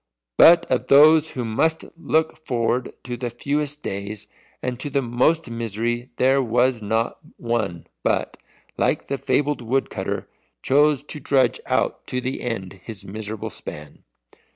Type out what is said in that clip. But of those who must look forward to the fewest days and to the most misery there was not one but, like the fabled woodcutter, chose to trudge out to the end his miserable span.